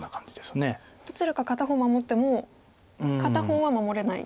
どちらか片方守っても片方は守れない。